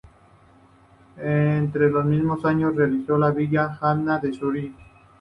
Entre los mismos años realizó la villa Hagman en Zúrich.